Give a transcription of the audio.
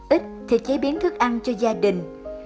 ít thì chế biến thức ăn cho gia đình